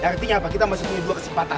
dan artinya apa kita masih punya dua kesempatan